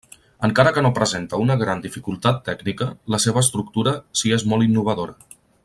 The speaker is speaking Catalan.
Encara que no presenta una gran dificultat tècnica, la seva estructura si és molt innovadora.